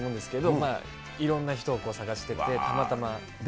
まあ、いろんな人を探してて、たまたま。